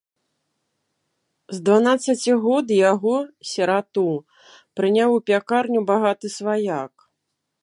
З дванаццаці год яго, сірату, прыняў у пякарню багаты сваяк.